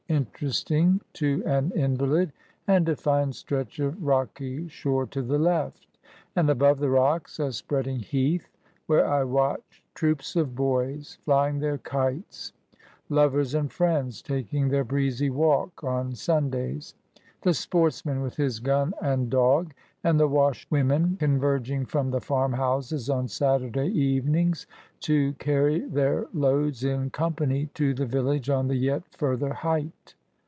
47 interesting, to an invalid, — and a fine stretch of rocky shore to the left ; and above the rocks, a spreading heath, where I watch troops of boys flying their kites ; lovers and friends taking their breezy walk on Sundays ; the sportsman with his gun and dog ; and the washerwomen converging from the farm houses on Saturday evenings, to carry their loads, in company, to the village on the yet further height.